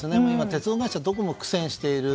鉄道会社はどこも苦戦している。